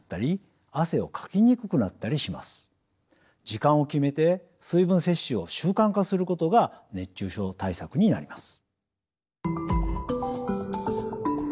時間を決めて水分摂取を習慣化することが熱中症対策になります。